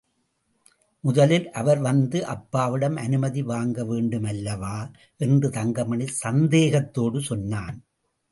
முதலில் அவர் வந்து அப்பாவிடம் அனுமதி வாங்க வேண்டுமல்லவா? என்று தங்கமணி சந்தேகத்தோடு சொன்னான்.